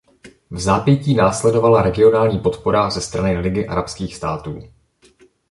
Vzápětí následovala regionální podpora ze strany Ligy arabských států.